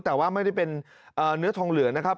แต่ว่าไม่ได้เป็นเนื้อทองเหลืองนะครับ